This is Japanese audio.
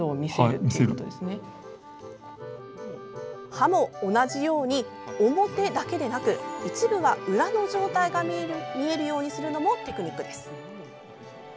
葉も同じように表だけでなく一部は裏の状態が見えるようにするのもテクニック。